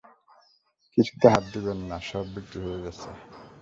কিছুতে হাত দিবেন না, সব বিক্রি হয়ে গেছে।